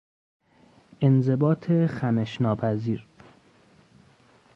انضباط خمش ناپذیر